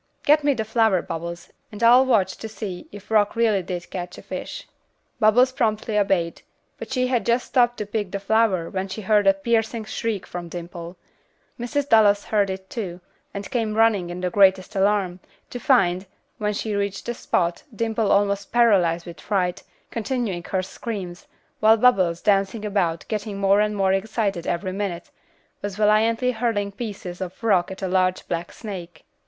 Get me the flower, Bubbles, and I'll watch to see if Rock really did catch a fish." Bubbles promptly obeyed, but she had just stooped to pick the flower when she heard a piercing shriek from Dimple. Mrs. Dallas heard it, too, and came running in the greatest alarm, to find, when she reached the spot, Dimple almost paralyzed with fright, continuing her screams, while Bubbles, dancing about, getting more and more excited every minute, was valiantly hurling pieces of rock at a large black snake.